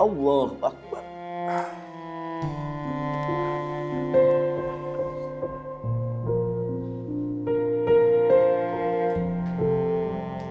assalamualaikum warahmatullahi wabarakatuh